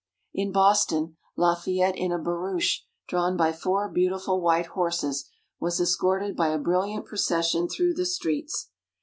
In Boston, Lafayette in a barouche drawn by four beautiful white horses, was escorted by a brilliant procession through the streets.